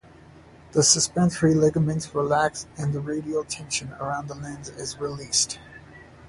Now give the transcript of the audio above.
The suspensory ligaments relax and the radial tension around the lens is released.